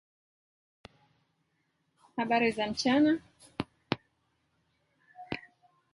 It is also an important Buddhist concept referring to "attachment, clinging, grasping".